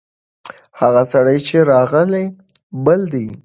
هغه سړی چې راغلی، بل دی.